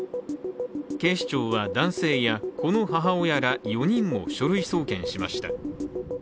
警視庁は、男性やこの母親ら４人も書類送検しました。